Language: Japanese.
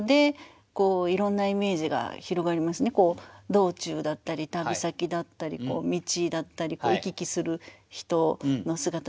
道中だったり旅先だったり道だったり行き来する人の姿だったり。